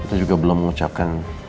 kita juga belum mengucapkan